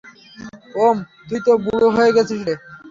ওম, তুই তো বুড়ো হয়ে গেছিস রে।